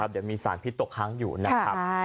เดี๋ยวมีสารพิษตกค้างอยู่นะครับ